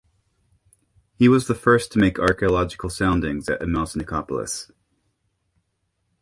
He was the first to make archaeological soundings at Emmaus-Nicopolis.